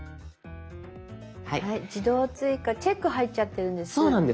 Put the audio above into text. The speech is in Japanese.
「自動追加」チェック入っちゃってるんです。